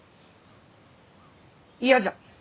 嫌じゃ。